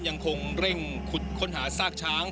ยังคงเร่งขุดค้นหาซากช้าง